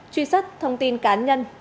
truy sất thông tin cá nhân